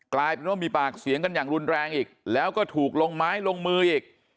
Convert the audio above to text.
กลายเป็นว่ามีปากเสียงกันอย่างรุนแรงอีกแล้วก็ถูกลงไม้ลงมืออีก